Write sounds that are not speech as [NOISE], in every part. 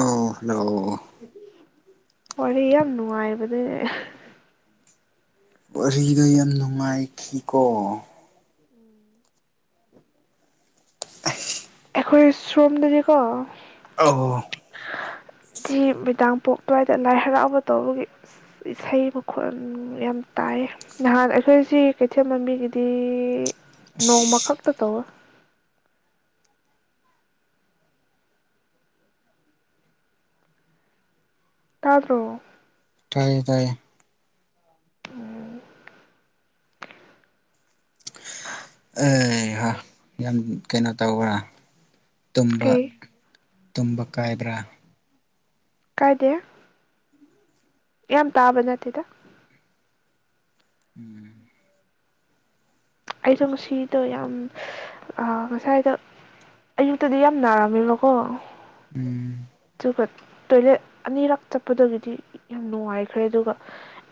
ꯑꯣ ꯍꯂꯣ ꯍꯔ ꯌꯥꯝ ꯌꯥꯝ ꯅꯨꯡꯉꯥꯏꯕꯗꯤ ꯋꯥꯔꯤꯗꯣ ꯌꯥꯝ ꯅꯨꯡꯉꯥꯏꯈꯤꯀꯣ ꯑꯩꯈꯣꯏ ꯁꯣꯝꯗꯗꯤꯀꯣ ꯑ ꯍꯣ ꯁꯤ ꯃꯣꯏꯗꯥꯡ ꯄꯣꯛ ꯑꯗꯨ꯭ꯋꯥꯏꯗ ꯂꯥꯏ ꯍꯔꯥꯎꯕ ꯇꯧꯕꯒꯤ ꯏꯁꯩ ꯃꯈꯣꯜ ꯌꯥꯝ ꯇꯥꯏ ꯅꯍꯥꯟ ꯑꯩꯈꯣꯏꯁꯤ ꯀꯩꯊꯦꯜ ꯃꯃꯤꯒꯤꯗꯤ ꯑꯁ ꯅꯣꯡꯃꯈꯛꯇꯛꯇ ꯇꯧ ꯇꯥꯔꯕ꯭ꯔꯣ ꯇ ꯇꯥꯏ ꯑꯦ ꯍꯣꯏ ꯌꯥꯝ ꯀꯩꯅꯣ ꯇꯧꯕ꯭ꯔꯥ ꯇꯨꯝꯝꯕ ꯀꯩ ꯇꯨꯝꯕ ꯀꯥꯏꯕ꯭ꯔꯥ ꯀꯥꯏꯗꯦ ꯌꯥꯝ ꯇꯥꯕꯅ ꯇꯗ ꯎꯝ ꯑꯩꯗꯣ ꯉꯁꯤꯗꯣ ꯌꯥꯝ ꯉꯁꯥꯏꯗ ꯑꯌꯨꯛꯇꯗꯤ ꯌꯥꯝ ꯅꯥꯔꯝꯃꯦꯕꯀꯣ ꯎꯝ ꯆꯨ ꯀꯠ ꯇꯣꯏꯂꯦꯠ ꯑꯅꯤꯔꯛ ꯆꯠꯄꯗꯒꯤꯗꯤ ꯌꯥꯝ ꯅꯨꯡꯉꯥꯏꯈ꯭ꯔꯦ ꯑꯗꯨꯒ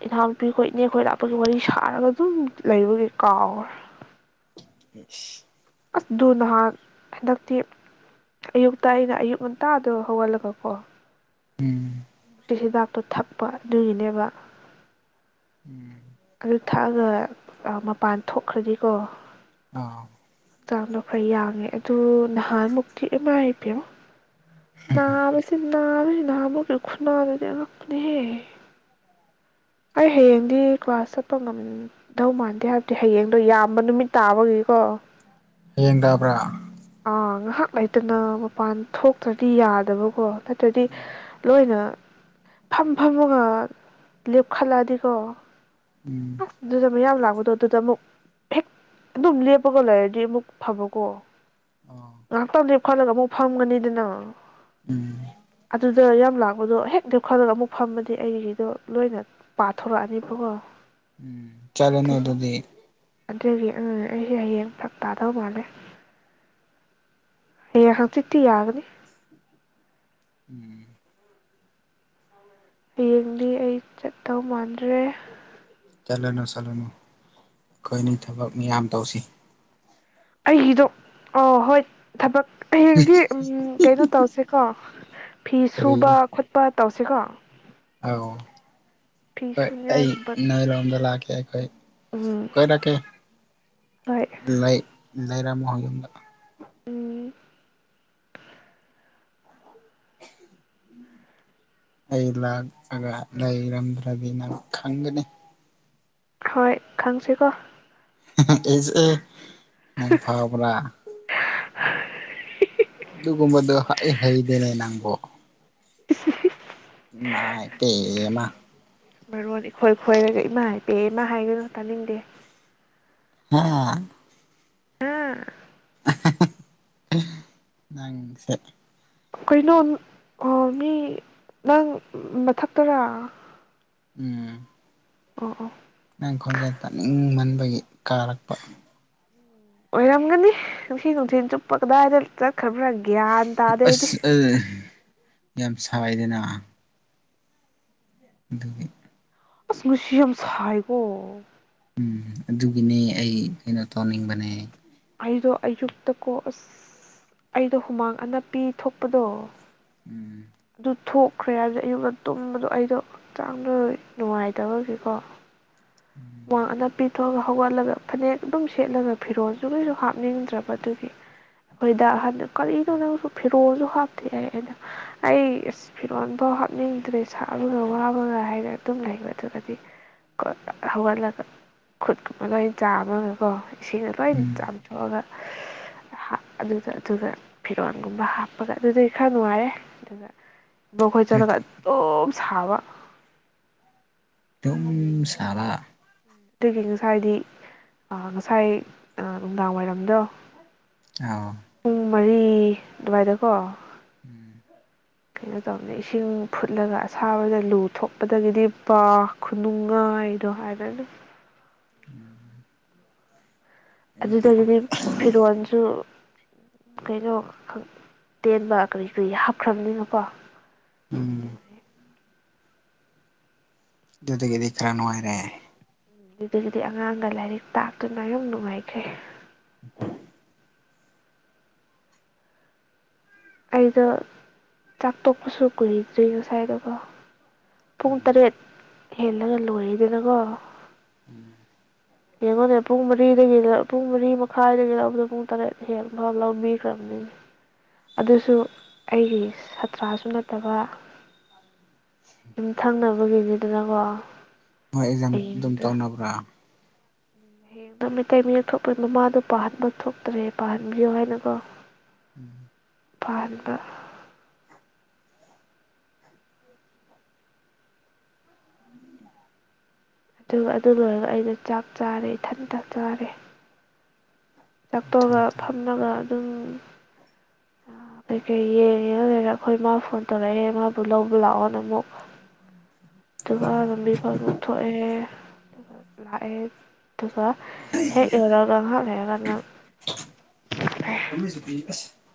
ꯏꯟꯅꯥꯎꯨꯄꯤꯈꯣꯏ ꯏꯅꯦꯛ ꯈꯣꯏ ꯂꯥꯞꯄꯒꯤ ꯋꯥꯔꯤ ꯁꯥꯔꯒ ꯑꯗꯨꯝ ꯂꯩꯕꯒꯤ ꯀꯥꯎꯈ꯭ꯔꯦ ꯎꯝ ꯑꯁ ꯑꯗꯨ ꯅꯍꯥꯟ ꯍꯟꯗꯛꯇꯤ ꯑꯌꯨꯛꯇ ꯑꯩꯅ ꯑꯌꯨꯛ ꯉꯟꯇꯥꯗꯣ ꯍꯧꯒꯜꯂꯒꯀꯣ ꯎꯝ ꯅꯨꯡꯇꯤ ꯍꯤꯗꯥꯛꯇꯣ ꯊꯛꯄ ꯑꯗꯨꯒꯤꯅꯦꯕ ꯎꯝ ꯑꯗꯨ ꯊꯛꯑꯒ ꯃꯄꯥꯟ ꯊꯣꯛꯈ꯭ꯔꯗꯤꯀꯣ ꯑꯥ ꯍꯛꯆꯥꯡꯗꯣ ꯈꯔ ꯌꯥꯡꯉꯦ ꯑꯗꯨ ꯅꯍꯥꯟꯃꯨꯛꯇꯤ ꯑꯦꯝ ꯑꯥꯏ ꯑꯥꯏ ꯄꯤꯌꯣ ꯅꯥꯂ ꯅꯥ ꯅꯃꯒ ꯈꯨꯅ ꯅꯗꯔꯅꯦꯍꯦ ꯑꯩ ꯍꯌꯦꯡꯗꯤ ꯀ꯭ꯂꯥꯁ ꯆꯠꯄ ꯉꯝꯗꯧ ꯃꯥꯟꯗꯦ ꯍꯥꯏꯕꯗꯤ ꯍꯌꯦꯡꯗꯣ ꯌꯥꯝꯕ ꯅꯨꯃꯤꯠ ꯇꯥꯕꯒꯤꯀꯣ ꯍꯌꯦꯡ ꯇꯥꯕ꯭ꯔꯥ ꯉꯥꯏꯍꯥꯛ ꯂꯩꯇꯅ ꯃꯄꯥꯟ ꯊꯣꯛꯇ꯭ꯔꯗꯤ ꯌꯥꯗꯕꯀꯣ ꯅꯠꯇ꯭ꯔꯗꯤ ꯂꯣꯏꯅ ꯐꯝ ꯐꯝꯃꯒ ꯂꯦꯞꯈꯠꯂꯛꯑꯗꯤꯀꯣ ꯎꯝ ꯑꯗꯨꯗ ꯃꯌꯥꯝ ꯂꯥꯛꯄ ꯐꯗꯣ ꯑꯗꯨꯗ ꯑꯃꯨꯛ ꯍꯦꯛ ꯑꯗꯨꯝ ꯂꯦꯞꯄꯒ ꯂꯩꯔꯗꯤ ꯑꯃꯨꯛ ꯐꯕꯀꯣ ꯑꯥꯎ ꯑ ꯇ ꯈꯠꯂꯒ ꯑꯃꯨꯛ ꯐꯝꯒꯅꯤꯗꯅ ꯎꯝ ꯑꯗ ꯌꯥꯝ ꯂꯥꯛꯄꯗꯣ ꯍꯦꯛ ꯅꯦꯛ ꯈꯠꯂꯒ ꯑꯃꯨꯛ ꯐꯝꯃꯗꯤ ꯑꯩꯒꯤꯗꯣ ꯂꯣꯏꯅ ꯄꯥꯊꯣꯔꯛꯑꯅꯤꯕꯀꯣ ꯎꯝ ꯆꯂꯅ ꯑꯗꯨꯗꯤ ꯑꯗꯨꯗꯒꯤ ꯎꯝ ꯑꯩꯁꯦ ꯍꯌꯦꯡ ꯊꯛ ꯇꯥꯗꯧ ꯃꯥꯜꯂꯦ ꯍꯌꯦꯡ ꯍꯪꯆꯤꯠꯇꯤ ꯌꯥꯒꯅꯤ ꯎꯝ ꯍꯌꯦꯡꯗꯤ ꯑꯩ ꯆꯠꯇꯧ ꯃꯥꯟꯗ꯭ꯔꯦ ꯆꯠꯂꯅꯨ ꯆꯠꯂꯅꯨ ꯑꯩꯒꯤꯗꯣ ꯑ ꯍꯣꯏ ꯊꯕꯛ ꯍꯌꯦꯡꯗꯤ ꯎꯝ ꯀꯩꯅꯣ ꯇꯧꯁꯦꯀꯣ ꯐꯤ ꯁꯨꯕ ꯈꯣꯠꯄ ꯇꯧꯁꯤꯀꯣ ꯑ ꯐꯤ ꯁꯨꯅꯤꯡꯉꯥꯏꯒꯨꯝꯕ ꯑꯩꯍ ꯑꯩꯈꯣꯏ ꯎꯝ ꯀꯣꯏꯔꯛꯀꯦ ꯍꯣꯏ ꯂꯩ ꯂꯩꯔꯝꯃꯣ ꯌꯨꯝꯗ ꯎꯝ ꯑꯩ ꯂꯥꯛꯑꯒ ꯂꯩꯔꯝꯗ꯭ꯔꯗꯤ ꯅꯪ ꯈꯪꯒꯅꯤ ꯍꯣꯏ ꯈꯪꯁꯦꯀꯣ ꯍꯦ ꯍꯦ ꯑꯦꯁ ꯑꯦ ꯅꯪ ꯐꯥꯎꯕꯔꯥ ꯑ ꯑꯩ ꯍꯩꯗꯦꯅꯦ [INAUDIBLE] ꯃꯥꯏ ꯄꯦꯝꯃꯥ ꯃꯔꯣꯟ ꯏꯈꯣꯏ ꯈꯣꯏꯔꯒ ꯏꯃꯥꯏ ꯄꯦꯝꯃꯥ ꯍꯥꯏꯒꯅꯣ ꯇꯥꯅꯤꯡꯗꯦ ꯍꯥ ꯍꯥꯝ ꯍꯥ ꯍꯥ ꯍꯥ ꯅꯪꯁꯦ ꯀꯩꯅꯣ ꯑꯣ ꯃꯤ ꯅꯪ ꯃꯊꯛꯇꯔꯥ ꯎꯝ ꯑꯣ ꯅꯒ ꯈꯣꯟꯖꯦꯜ ꯇꯥꯅꯤꯡ ꯃꯟ ꯑꯩꯈꯣꯏꯒꯤ ꯀꯥꯔꯛꯄ ꯑꯣꯏꯔꯝꯒꯟꯤ ꯅꯨꯡꯊꯤꯟ ꯆꯨꯞꯄ ꯀꯗꯥꯏꯇꯥ ꯆꯠ ꯈꯕ꯭ꯔ ꯒ꯭ꯌꯥꯟ ꯇꯥꯗꯩꯗꯤ ꯑꯁ ꯑꯗꯨ ꯌꯥꯝ ꯁꯥꯏꯗꯅ ꯗꯨꯒꯤ ꯑꯁ ꯅꯨꯡꯁꯤ ꯌꯥꯝ ꯁꯥꯏꯒꯣ ꯎꯝ ꯑꯗꯨꯒꯤꯅꯦ ꯑꯩ ꯀꯩꯅꯣ ꯇꯧꯅꯤꯡꯕꯅꯦ ꯑꯩꯗꯣ ꯑꯌꯨꯛꯇ ꯀꯣ ꯑꯁ ꯑꯩꯗꯣ ꯍꯨꯃꯥꯡ ꯑꯅꯞ ꯄꯤ ꯊꯣꯛꯄꯗꯣ ꯎꯝ ꯑꯗꯨ ꯊꯣꯛꯈ꯭ꯔꯦ ꯍꯥꯏꯕꯗ ꯌꯨꯝꯗ ꯇꯨꯝꯕꯗꯣ ꯑꯩꯗꯣ ꯍꯛꯆꯥꯡꯗ ꯅꯨꯡꯉꯥꯏꯇꯕꯒꯤꯀꯣ ꯍꯨꯃꯥꯡ ꯑꯅꯥꯞꯄꯤꯊꯣꯛꯑꯒ ꯍꯧꯒꯠꯂꯒ ꯐꯅꯦꯛ ꯑꯗꯨꯝ ꯁꯦꯠꯂꯒ ꯐꯤꯔꯣꯜꯁꯨ ꯀꯩꯁꯨ ꯍꯥꯞꯅꯤꯡꯗ꯭ꯔꯕ ꯑꯗꯨꯒꯤ ꯑꯩꯈꯣꯏꯗ ꯑꯍꯟꯗ ꯀꯔꯤꯅꯣ ꯅꯪꯁꯨ ꯐꯤꯔꯣꯜꯁꯨ ꯍꯥꯞꯇꯦ ꯑꯩ ꯑꯩꯅ ꯑꯩ ꯑꯁ ꯐꯤꯔꯣꯜꯐꯥꯎ ꯍꯥꯞꯅꯤꯡꯗ꯭ꯔꯦ ꯁꯥꯛꯕꯒ ꯋꯥꯕꯒ ꯍꯥꯏꯅ ꯑꯗꯨꯝ ꯂꯩꯕ ꯑꯗꯨꯒꯗꯤ ꯍꯧꯒꯠꯂꯒ ꯈꯨꯠꯀꯨꯝꯕ ꯂꯣꯏ ꯆꯥꯝꯃꯒꯀꯣ ꯁꯤꯅ ꯂꯣꯏꯅ ꯆꯥꯝꯊꯣꯛꯑꯒ ꯑꯗꯨꯗ ꯑꯗꯨꯒ ꯐꯤꯔꯣꯟꯒꯨꯝꯕ ꯍꯥꯞꯄꯒ ꯑꯗꯨꯗꯤ ꯈꯔ ꯅꯨꯡꯉꯥꯏꯔꯦ ꯑꯗꯨꯒ ꯣꯈꯣꯏ ꯆꯂ ꯑꯗꯨꯗꯤ ꯇꯣ ꯁꯥꯕ ꯑꯗꯨꯨꯝ ꯁꯥꯂꯥ ꯑꯗꯨꯒꯤ ꯉꯁꯥꯏꯗꯤ ꯉꯁꯥꯏ ꯅꯨꯡꯗꯥꯡ ꯋꯥꯏꯔꯝꯗꯣ ꯑ ꯄꯨꯡ ꯃꯔꯤ ꯑꯗꯨꯋꯥꯏꯗꯀꯣ ꯎꯝ ꯀꯩꯅꯣ ꯇꯧꯅꯤ ꯏꯁꯤꯡ ꯐꯨꯠꯂꯒ ꯑꯁꯥꯕꯗ ꯂꯨ ꯊꯣꯛꯄꯗꯒꯤꯗꯤ ꯄꯥ ꯈꯨꯅꯨꯡꯉꯥꯏꯗꯣ ꯍꯥꯏꯔꯅ ꯑꯩꯗꯤ ꯑꯗꯨꯗꯒꯤꯅꯦ ꯐꯤꯔꯣꯜ ꯀꯩꯅꯣ ꯇꯦꯟꯕ ꯀꯔꯤ ꯀꯔꯤ ꯍꯥꯞꯈ꯭ꯔꯕꯅꯤꯅꯀꯣ ꯌꯥꯝ ꯎꯝ ꯅꯨꯡꯉꯥꯏ ꯑꯗꯨꯗꯨꯗꯒꯤꯗꯤ ꯈꯔ ꯅꯨꯡꯉꯥꯏꯔꯦ ꯑꯗꯨꯗꯒꯤꯗꯤ ꯑꯉꯥꯡꯒ ꯂꯥꯏꯔꯤꯛ ꯇꯥꯛꯇꯨꯅ ꯌꯥꯝ ꯅꯨꯡꯉꯥꯏꯈ꯭ꯔꯦ ꯑ ꯑꯩꯗꯣ ꯆꯥꯛꯇꯣꯛꯄꯁꯨ ꯀꯨꯏꯗ꯭ꯔꯤ ꯉꯁꯥꯏꯗꯨꯕꯣ ꯄꯨꯡ ꯇꯔꯦꯠ ꯍꯦꯜꯂꯒ ꯂꯣꯏꯔꯤꯗꯅꯀꯣ ꯎꯝ ꯌꯦꯡꯉꯣꯅꯦ ꯄꯨꯡ ꯃꯔꯤꯗꯒꯤ ꯄꯨꯡ ꯃꯔꯤ ꯃꯈꯥꯏꯗꯒꯤ ꯂꯧꯕꯗ ꯄꯨꯡ ꯇꯔꯦꯠ ꯍꯦꯜꯟꯅ ꯃ ꯂꯧꯕꯤꯈ꯭ꯔꯕꯅꯤꯅꯦ ꯑꯗꯨꯁꯨ ꯑꯩꯒꯤ ꯁꯥꯠꯇ꯭ꯔꯁꯨ ꯅꯠꯇꯕ ꯁꯨꯝ ꯊꯪꯅꯕꯒꯤꯅꯤꯗꯅꯀꯣ ꯅꯣꯏ ꯏꯀꯖꯝ ꯑꯗꯨ ꯃꯧꯅꯕꯔ ꯍꯌꯦꯡ ꯅ ꯃꯩꯇꯩ ꯃꯤꯌꯦꯛ ꯊꯣꯛꯄꯒꯤ ꯃꯃꯥꯗꯣ ꯄꯥꯍꯟꯕ ꯊꯣꯛꯇ꯭ꯔꯦ ꯄꯥꯍꯟꯕꯤꯌꯣ ꯍꯥꯏꯅꯀꯣ ꯎꯝ ꯐꯥꯔꯃ ꯑꯗꯨꯒ ꯑꯗꯨ ꯂꯣꯏꯔꯒ ꯑꯩꯅ ꯆꯥꯛ ꯆꯥꯔꯦ ꯏꯊꯟꯇꯥꯛ ꯆꯥꯔꯦ ꯇꯥꯛꯄꯑꯒ ꯏꯊꯟꯇ ꯐꯝꯅꯕ ꯑꯗꯨꯝ ꯀꯩꯀꯩ ꯌꯦꯡꯉ ꯑꯩꯈꯣꯏ ꯃꯥ ꯐꯣꯟ ꯇꯧꯔꯛꯑꯦ ꯃꯥꯕꯨ ꯂꯧꯕ ꯂꯥꯛꯑꯣꯅ ꯑꯃꯨꯛ ꯑꯗꯨꯒ ꯂꯝꯕꯤ ꯐꯥꯎ ꯑꯃꯨꯛ ꯊꯣꯛꯑꯦ ꯂꯥꯏꯑ ꯑꯦ ꯑꯗꯨꯒ ꯍꯦꯛ ꯌꯔꯒꯍꯥꯛ ꯂꯩꯔꯀꯗꯪ ꯑꯩꯈꯣꯏꯒꯤ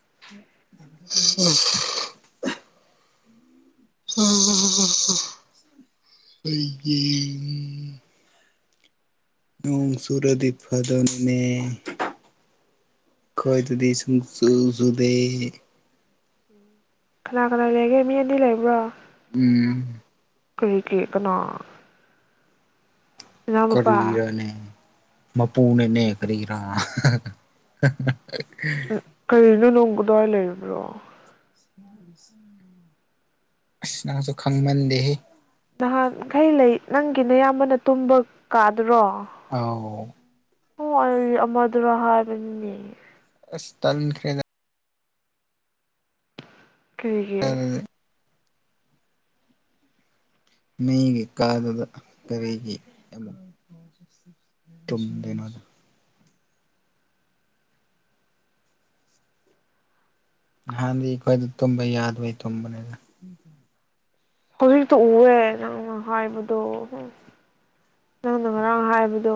[UNINTELLIGIBLE] ꯅꯣꯡ ꯁꯨꯔꯗꯤ ꯐꯗꯅꯅꯦ ꯈꯣꯏꯗꯗꯤ ꯁꯨꯡ ꯁꯨ ꯁꯨꯗꯦ ꯀꯅꯥ ꯀꯅꯥ ꯂꯩꯒꯦ ꯃꯤ ꯑꯅꯤ ꯂꯩꯕ꯭ꯔꯣ ꯎꯝ ꯀꯔꯤ ꯀꯔꯤ ꯀꯅꯥ ꯅꯅꯥꯎꯅꯨꯄꯥ ꯀꯔꯤꯔꯅꯦ ꯃꯥꯄꯨꯅꯦ ꯅꯩꯅꯈꯔꯤꯔꯥ [UNINTELLIGIBLE] ꯑꯗꯨ ꯅꯣꯡꯗꯔ ꯂꯩ꯭ꯔꯣ ꯅꯪꯁꯨ ꯈꯪꯃꯟꯗꯦꯍꯦ ꯅꯍꯥꯟꯈꯩ ꯂꯩ ꯅꯪꯒꯤꯅ ꯑꯌꯥꯝꯕꯅ ꯇꯨꯝꯕ ꯀꯥ ꯑꯥꯎ ꯍ ꯑꯩ ꯑꯃꯗꯨꯔ ꯍꯥꯏꯕꯅꯤꯅꯦ ꯑꯁ ꯇꯟꯈ꯭ꯔꯦꯗ ꯀꯩꯒꯤ ꯅꯒꯤ ꯀꯥꯗꯨꯗ ꯀꯔꯤꯒꯤ ꯑꯃꯛ ꯇꯨꯝꯗꯣꯏꯅꯣꯗ ꯍꯥꯟꯗꯤ ꯑꯩꯈꯣꯏꯗ ꯇꯨꯝꯕ ꯌꯥꯗꯕꯩ ꯇꯨꯝꯕꯅꯦꯅ ꯍꯧꯖꯤꯛꯇ ꯎꯔꯦ ꯅꯪꯅ ꯍꯥꯏꯕꯗꯣ ꯅꯪꯅ ꯉꯔꯥꯡ ꯍꯥꯏꯕꯗꯣ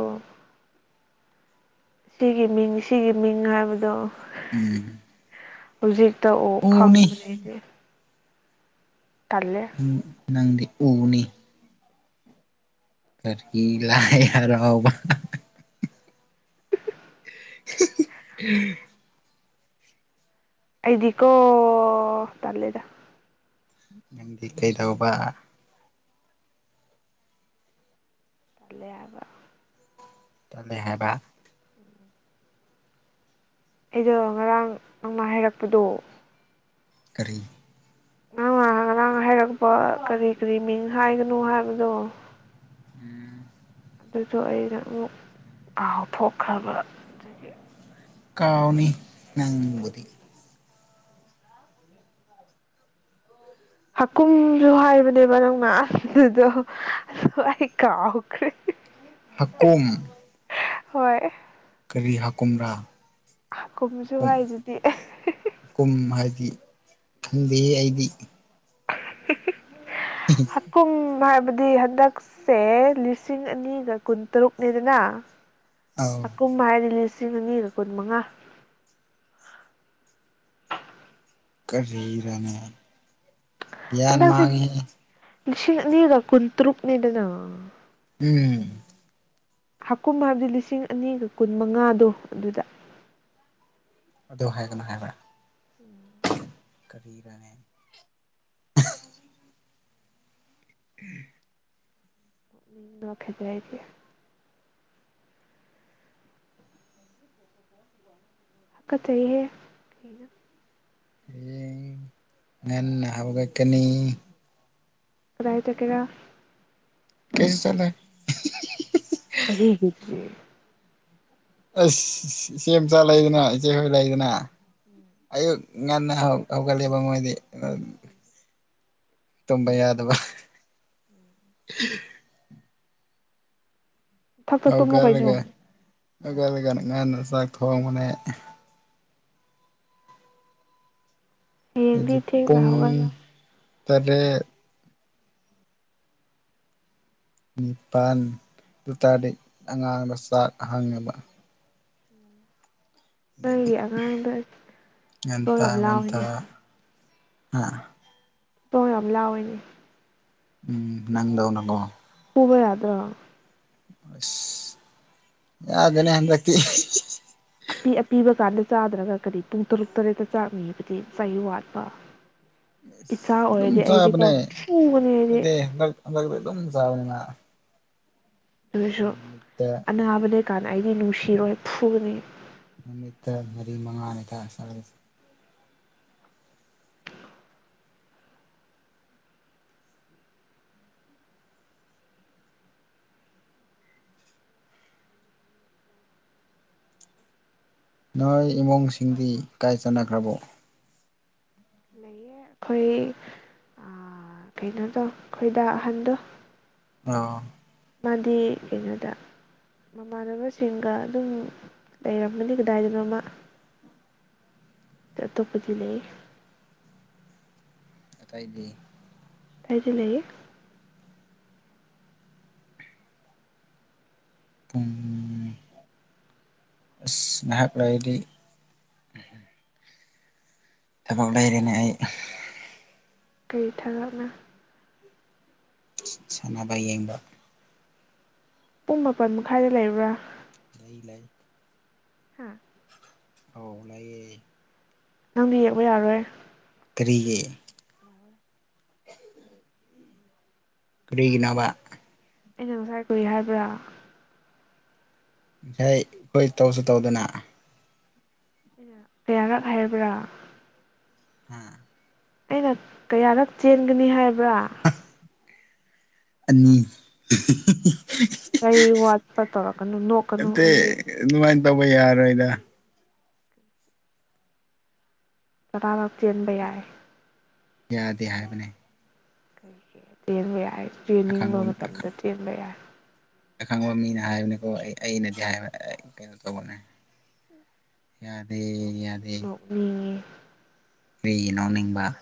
ꯁꯤꯒꯤ ꯃꯤꯡ ꯁꯤꯒꯤ ꯃꯤꯡ ꯍꯥꯏꯕꯗꯣ ꯎꯝ ꯍꯧꯖꯤꯛ ꯇ ꯑꯣ ꯈꯪ ꯎꯅꯤ ꯕꯅꯦ ꯑꯩꯗꯤ ꯇꯜꯂꯦ ꯪ ꯅꯪ ꯎꯅꯤ ꯑꯗꯒꯤ ꯂꯥꯏ ꯍꯔꯥꯎꯕ ꯑꯩꯗꯤꯀꯣ ꯇꯜꯂꯦꯗ ꯅꯪꯗꯤ ꯀꯩꯗꯧꯕ ꯇꯂꯦ ꯑꯕ ꯇꯂꯦ ꯍꯥꯏꯕ ꯑꯩꯗꯣ ꯉꯔꯥꯡ ꯅꯪ ꯑꯃ ꯍꯥꯏꯔꯛꯄꯗꯣ ꯀꯔꯤ ꯅꯪ ꯉ ꯉꯔꯥꯡ ꯍꯥꯏꯔꯛꯄ ꯀꯔꯤ ꯀꯔꯤ ꯃꯤꯡ ꯍꯥꯏꯒꯅꯣ ꯍꯥꯏꯕꯗꯣ ꯎꯝ ꯑꯗꯨꯗꯣ ꯑꯩꯅ ꯑꯃꯨꯛ ꯀꯥꯥꯎꯊꯣꯛꯈ꯭ꯔꯕ ꯑꯗꯨꯗꯒꯤ ꯀꯥꯎꯅꯤ ꯅꯪꯕꯨꯗ ꯍꯀꯨꯝꯁꯨ ꯍꯥꯏꯕꯅꯦꯕ ꯅꯪꯅ ꯑꯗꯨꯗꯣ ꯑꯩ ꯀꯥꯎꯈ꯭ꯔꯦ ꯍꯥꯀꯨꯝ ꯍꯣꯏ ꯀꯔꯤ ꯍꯥꯀꯨꯝꯔꯥ ꯍꯥꯀꯨꯝꯁꯨ ꯍꯥꯏꯏ ꯑꯗꯨꯗꯤ ꯈꯩꯗꯤ ꯑꯩꯗꯤ ꯍꯥꯀꯨꯝ ꯍꯥꯏꯕꯗꯤ ꯍꯟꯗꯛꯁꯦ ꯂꯤꯁꯤꯡ ꯑꯅꯤꯒ ꯀꯨꯟꯇꯔꯨꯛꯅꯤꯗꯅ ꯑꯧ ꯍꯀꯨꯝ ꯍꯥꯏꯗꯤ ꯂꯤꯁꯤꯡ ꯑꯅꯤꯒ ꯀꯨꯟ ꯃꯉꯥ ꯀꯔꯤꯅꯣꯅꯦ ꯭ꯒ꯭ꯌꯥꯟ ꯍꯟꯗꯛꯁꯦ ꯃꯥꯡꯉꯤꯍꯦ ꯂꯤꯁꯤꯡ ꯑꯅꯤꯒ ꯀꯨꯟꯇ꯭ꯔꯨꯛꯅꯤꯗꯅ ꯎꯝ ꯍꯥꯀꯨꯝ ꯍꯥꯏꯕꯗꯤ ꯂꯤꯁꯤꯡ ꯑꯅꯤꯒ ꯀꯨꯟ ꯃꯉꯥꯗꯣ ꯑꯗꯨꯗ ꯑꯗꯨ ꯍꯥꯏꯒꯅꯨ ꯍꯥꯏꯕ꯭ꯔꯥ ꯎꯝ ꯀꯔꯤꯔꯅꯦ ꯎꯡ [INAUDIBLE] ꯍꯀꯠꯆꯌ‌ꯦ ꯀꯩꯅ‌ꯣ ꯍꯌꯦꯡ ꯉꯟꯅ ꯍꯧꯒꯠꯛꯀꯅꯤ ꯀꯗꯥꯏ ꯆꯠꯀ‌ꯦꯔ ꯀꯩꯁꯨ ꯆꯠꯂꯣꯏ [UNINTELLIGIBLE] ꯑꯁ ꯏꯆ‌ꯦꯝꯆꯥ ꯂꯩꯗꯅ ꯏꯆꯦꯍꯣꯏ ꯂꯩꯗꯅ ꯎꯝ ꯑꯌꯨꯛ ꯉꯟꯅ ꯍꯧꯒꯠꯂ‌ꯦꯕ ꯃꯣꯏꯗꯤ ꯇꯨꯝꯕ ꯌꯥꯗꯕ ꯐꯛꯇ ꯇꯨꯝꯃꯣ ꯀꯩꯅꯣ ꯍꯧꯒꯠꯂꯥꯒ ꯉꯟꯅ ꯆꯥꯛ ꯊꯣꯡꯕꯅꯦ ꯑꯗꯨꯗꯤ ꯍꯌꯦꯡꯗꯤ ꯊꯦꯡꯅ ꯄꯨꯡ ꯍꯧꯒꯠꯂꯣ ꯇꯔꯦꯠ ꯅꯤꯄꯥꯜ ꯇꯔꯗꯤ ꯑꯉꯥꯡꯗ ꯆꯥꯛ ꯍꯪꯅꯕ ꯅꯪꯒꯤ ꯑꯉꯥꯡꯗ ꯊꯤꯕꯣꯡ ꯉꯟꯇꯥ ꯌꯥꯝ ꯉꯟꯇꯥ ꯂꯥꯎꯋꯤꯅ‌ꯦ ꯍꯥ ꯇꯣ ꯌꯥꯝ ꯂꯥꯎꯑ‌ꯦꯅꯦ ꯎꯝ ꯅꯪꯗꯧꯅꯀꯣ ꯐꯨꯕ ꯌꯥꯗ꯭ꯔꯣ ꯑꯁ ꯌꯥꯗ‌ꯦꯅꯦ ꯍꯟꯗꯛꯇꯤ ꯑꯄꯤ ꯄꯤꯕ ꯀꯥꯟꯗ ꯆꯥꯗ꯭ꯔꯒ ꯀꯔꯤ ꯄꯨꯡ ꯇꯔꯨꯛ ꯇꯔꯦꯠꯇ ꯆꯥꯛ ꯅꯤꯕꯗꯤ ꯆꯩ ꯋꯥꯠꯄ ꯏꯆꯥ ꯑꯗꯨꯝ ꯑꯣꯏꯔꯗꯤ ꯑꯩꯗꯤꯀꯣ ꯆꯥꯕꯅꯦ ꯐꯨꯒꯅꯤ ꯑꯩꯗꯤ ꯑꯗꯨꯝ ꯆꯥꯕꯅ‌ꯦ ꯅꯥ ꯑꯗ‌ꯣꯏꯁꯨ ꯑꯅꯕꯅꯦ ꯀꯥꯏꯟ ꯑꯩꯗꯤ ꯅꯨꯡꯁꯤ ꯏꯤꯔꯣꯏ ꯐꯨꯅꯤ ꯅꯨꯃꯤꯠꯇ ꯃꯔꯤ ꯃꯉꯥꯅꯤ ꯊꯥ ꯁꯁꯤ ꯅꯣꯏ ꯏꯃꯨꯡꯁꯤꯡꯗꯤ ꯀꯥꯏ ꯆꯥꯟꯅꯈ꯭ꯔꯕ‌ꯣ ꯂꯩꯌꯦ ꯑꯩꯈꯣꯏ ꯀꯩꯅꯣꯗꯣ ꯑꯩꯈꯣꯏꯗ ꯑꯍꯟꯗꯣ ꯑ ꯃꯥꯗꯤ ꯀꯩꯅꯣꯗ ꯃꯃꯥꯟꯅꯕꯁꯤꯡꯒ ꯑꯗꯨꯝ ꯂꯩꯔꯝꯒꯅꯤ ꯀꯗꯥꯏꯗꯅꯣ ꯑꯃ ꯑꯇꯣꯞꯄꯗꯤ ꯂꯩ ꯑꯇꯩ ꯗꯤꯏ ꯑꯇꯩꯗꯤ ꯂꯩꯌ‌ꯦ ꯉꯍꯥꯛ ꯂꯩꯔꯗꯤ ꯊꯕꯛ ꯂꯩꯔ‌ꯦꯅ‌ꯦ ꯑꯩ ꯀꯩ ꯊꯕꯛꯅ‌ꯣ ꯁꯥꯟꯅꯕ ꯌꯦꯡꯕ ꯄꯨꯡ ꯃꯥꯄꯜ ꯃꯈꯥꯏꯗ ꯂꯩꯕ꯭ꯔꯥ ꯂꯩ ꯂꯩ ꯍꯥꯝ ꯍꯥꯎꯅꯌꯦ ꯅꯪꯗꯤ ꯌꯦꯛꯕ ꯌꯥꯔꯣꯏ ꯀꯔꯤꯌꯦ ꯀꯔꯤꯒꯤꯅꯥꯕ ꯑꯩꯅ ꯉꯁꯥꯏ ꯀꯨꯏ ꯍꯥꯏꯕ꯭ꯔꯥ ꯉꯁꯥꯏ ꯑꯩꯈꯣꯏ ꯇꯧꯁꯨ ꯇꯧꯗꯅ ꯀꯌꯥꯔꯛ ꯍꯥꯏꯔꯕ꯭ꯔꯥ ꯍꯥꯥ ꯑꯩꯅ ꯀꯌꯥꯔꯛ ꯆꯦꯟꯒꯅꯤ ꯍꯥꯏꯕ ꯕ꯭ꯔꯥ ꯑꯅꯤ ꯀ ꯋꯥꯠꯄ ꯇꯧꯔꯛꯀꯅꯨ ꯅꯣꯛꯀꯅꯨ ꯅꯠꯇꯦ ꯑꯩ ꯑꯗꯨꯃꯥꯏꯅ ꯇꯧꯕ ꯌꯥꯔꯣꯏꯗ ꯆꯅꯥꯥꯔ ꯆꯦꯟꯕ ꯌꯥꯏ ꯌꯥꯗꯦ ꯍꯥꯏꯕꯅꯤ ꯀꯩꯕ ꯌꯥꯏ ꯆꯦꯟꯅꯤꯡꯕ ꯑꯈꯪꯕ ꯃꯇꯝꯗ ꯆꯦꯟꯕ ꯌꯥꯏ ꯑꯈꯪꯕ ꯃꯤꯅ ꯍꯥꯏꯕꯅꯤꯀꯣ ꯑꯩ ꯑꯩꯅꯗꯤ ꯍꯥꯏꯕ ꯀꯩꯅꯣ ꯇꯧꯕꯅꯦ ꯌꯥꯗꯦ ꯅꯣꯛ ꯗꯣꯛꯅꯤꯌꯦ ꯑꯩꯔꯤꯒꯤ ꯅꯎꯅꯤꯡꯕ